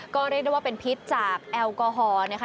ก็เรียกได้ว่าเป็นพิษจากแอลกอฮอล์นะคะ